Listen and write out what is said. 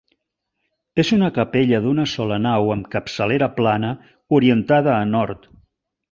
És una capella d'una sola nau amb capçalera plana orientada a nord.